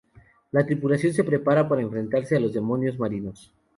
La tripulación se prepara para enfrentarse a los demonios marinos.